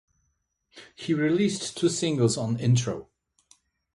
He released two singles on Intro.